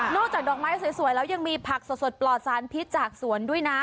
อกจากดอกไม้สวยแล้วยังมีผักสดปลอดสารพิษจากสวนด้วยนะ